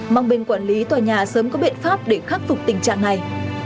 mong bên quản lý tòa nhà sớm có biện pháp để khắc phục tình trạng này